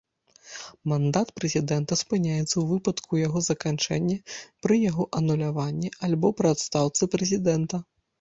Мандат прэзідэнта спыняецца ў выпадку яго заканчэння, пры яго ануляванні, або пры адстаўцы прэзідэнта.